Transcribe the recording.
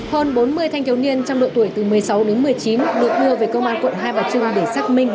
hơn bốn mươi thanh thiếu niên trong độ tuổi từ một mươi sáu đến một mươi chín được đưa về công an quận hai bà trưng để xác minh